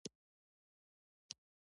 زه هره ورځ دوتنې بک اپ کوم.